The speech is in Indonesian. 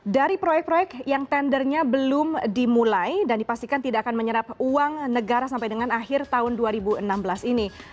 dari proyek proyek yang tendernya belum dimulai dan dipastikan tidak akan menyerap uang negara sampai dengan akhir tahun dua ribu enam belas ini